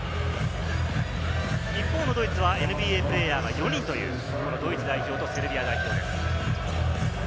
一方、ドイツはＮＢＡプレーヤーが４人というドイツ代表とセルビア代表です。